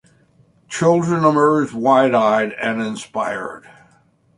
Children emerge wide-eyed and inspired.